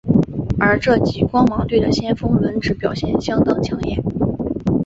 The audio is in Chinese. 而这季光芒队的先发轮值表现相当抢眼。